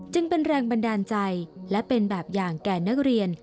จึงเป็นแรงบันดาลใจและเป็นแบบอย่างแก่นักเรียน